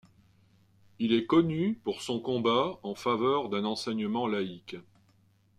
Il est connu pour son combat en faveur d'un enseignement laïque.